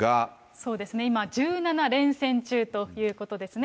そうですね、今、１７連戦中ということですね。